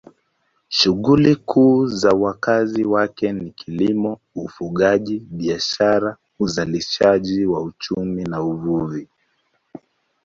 Shughuli kuu za wakazi wake ni kilimo, ufugaji, biashara, uzalishaji wa chumvi na uvuvi.